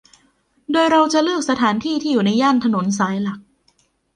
โดยเราจะเลือกสถานที่ที่อยู่ในย่านถนนสายหลัก